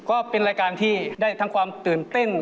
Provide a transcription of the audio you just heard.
ก็เป็นรายการที่ได้ทั้งความตื่นเต้น